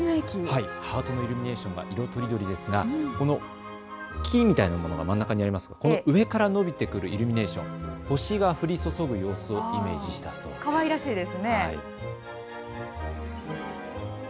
ハートのイルミネーションが色とりどりですが、この木みたいなものが真ん中にありますが上からのびてくるイルミネーション、星が降り注ぐ様子をイメージしたそうです。